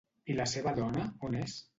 I la seva dona, on és?